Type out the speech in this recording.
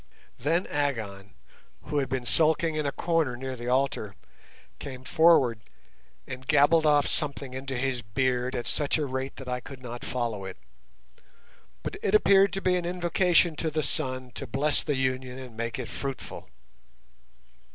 Then Agon, who had been sulking in a corner near the altar, came forward and gabbled off something into his beard at such a rate that I could not follow it, but it appeared to be an invocation to the Sun to bless the union and make it fruitful.